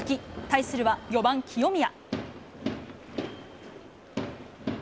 対するは、４番清宮。